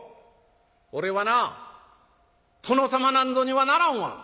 俺はな殿様なんぞにはならんわ」。